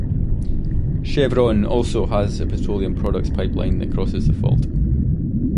Chevron also has a petroleum products pipeline that crosses the fault.